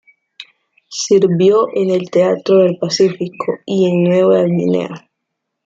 Sirvió en el teatro del Pacífico y en Nueva Guinea.